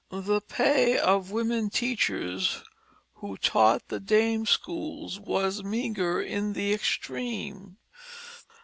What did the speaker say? The pay of women teachers who taught the dame schools was meagre in the extreme.